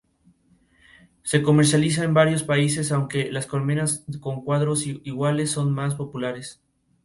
Se comercializa en varios países aunque las colmenas con cuadros iguales son más populares.